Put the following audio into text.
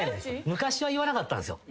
昔は言わなかったんすよ。